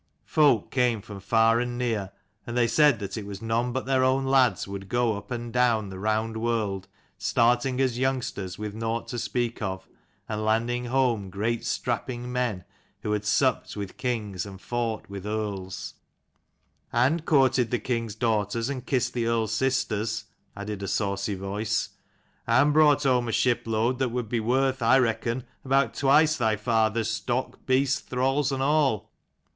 Folk came from far and near and they said that it was none but their own lads would go up and down the round world, starting as youngsters with nought to speak of, and landing home great strapping men who had supped with kings and fought with earls "And courted the kings' daughters, and kissed the the earls' sisters," added a saucy voice. " And brought home a shipload that would be worth, I reckon, about twice their father's stock, beasts, thralls, and all."